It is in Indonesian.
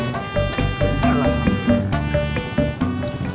pak wardi mau gue aja